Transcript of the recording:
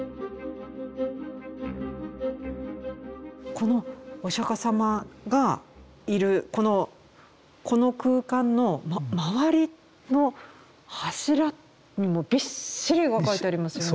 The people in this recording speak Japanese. このお釈迦様がいるこの空間の周りの柱にもびっしり絵が描いてありますよね。